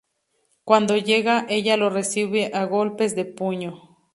Cuando llega, ella lo recibe a golpes de puño.